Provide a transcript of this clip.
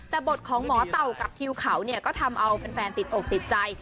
แต่บทของหมอเต่ากับทิวเขาก็ทำเอาแฟนติดอกติดใจ